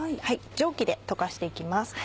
蒸気で溶かして行きます。